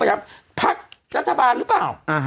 ย้ำพักรัฐบาลหรือเปล่า